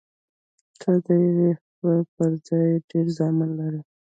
ته د یو خر پر ځای ډېر زامن لرې.